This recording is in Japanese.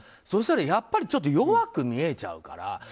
そしたらやっぱり弱く見えちゃうから。